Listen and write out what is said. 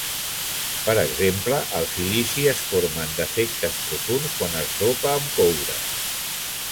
Per exemple, al silici es formen defectes profunds quan es dopa amb coure.